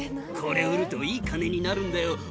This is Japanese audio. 「これ売るといい金になるんだよ」